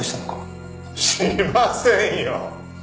しませんよ。